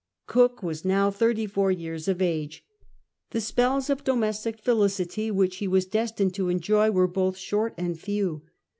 Cook was now thirty fortr years of age. The spells of domestic felicity which he was destined to enjoy were both short and few.